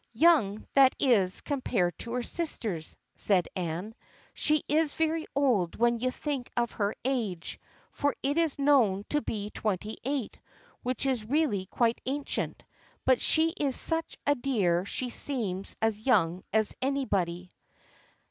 " Young that is, compared to her sisters," said Anne. " She is very old when you think of her age, for it is known to be twenty eight, which is really quite ancient, but she is such a dear she seems as young as anybody."